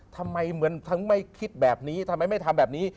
ทำไมไม่คิดแบบนี้ทำไมไม่ทำแบบนี้